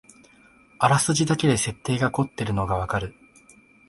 あらすじだけで設定がこってるのがわかる